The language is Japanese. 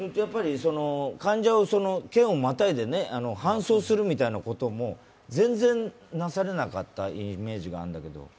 患者を、県をまたいで搬送するみたいなことも、全然、なされなかったイメージがあるんだけど。